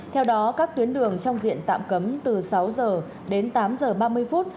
theo đó các tuyến đường trong diện tạm cấm từ sáu h đến tám h ba mươi phút